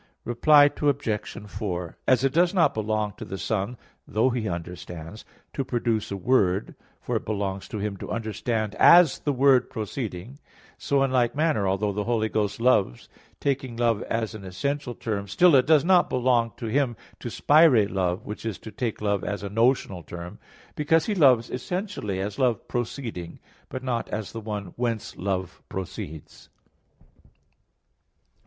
Reply Obj. 4: As it does not belong to the Son, though He understands, to produce a word, for it belongs to Him to understand as the word proceeding; so in like manner, although the Holy Ghost loves, taking Love as an essential term, still it does not belong to Him to spirate love, which is to take love as a notional term; because He loves essentially as love proceeding; but not as the one whence love proceeds.